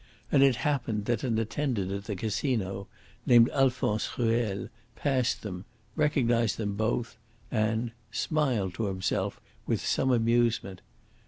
And it happened that an attendant at the Casino, named Alphonse Ruel, passed them, recognised them both, and smiled to himself with some amusement.